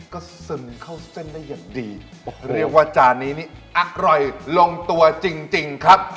ก็ซึมเข้าเส้นได้อย่างดีเรียกว่าจานนี้นี่อร่อยลงตัวจริงครับ